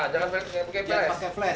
jangan pakai flash